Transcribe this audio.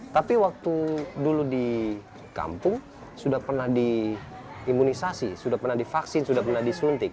tapi waktu dulu di kampung sudah pernah diimunisasi sudah pernah divaksin sudah pernah disuntik